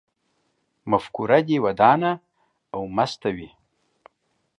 مفکوره دې ودانه او مسته وي